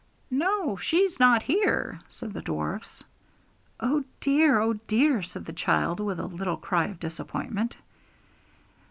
'No, she's not here,' said the dwarfs. 'Oh dear! oh dear!' said the child, with a little cry of disappointment.